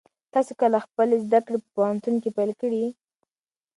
تاسو کله خپلې زده کړې په پوهنتون کې پیل کړې؟